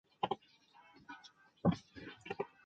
火珊瑚是千孔珊瑚科的水螅。